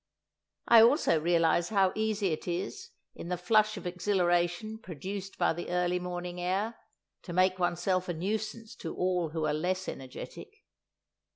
I also realize how easy it is, in the flush of exhilaration produced by the early morning air, to make oneself a nuisance to all who are less energetic.